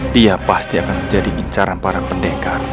dia pasti akan menjadi incaran para pendekar